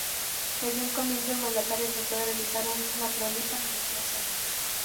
Desde un comienzo, el mandatario trató de realizar una prolija administración.